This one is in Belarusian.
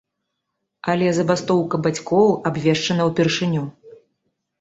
Але забастоўка бацькоў абвешчана ўпершыню.